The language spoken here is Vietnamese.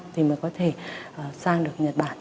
thì mới có thể sang được nhật bản